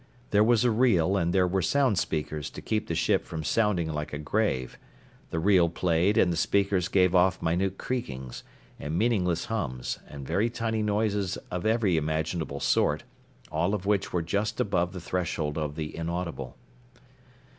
There was a reel and there were sound speakers to keep the ship from sounding like a grave. The reel played and the speakers gave off minute creakings, and meaningless hums, and very tiny noises of every imaginable sort, all of which were just above the threshold of the inaudible.